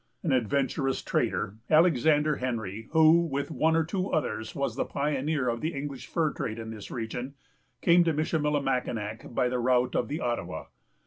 An adventurous trader, Alexander Henry, who, with one or two others, was the pioneer of the English fur trade in this region, came to Michillimackinac by the route of the Ottawa.